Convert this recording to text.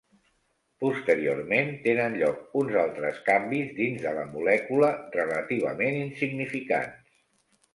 Posteriorment, tenen lloc uns altres canvis dins de la molècula relativament insignificants.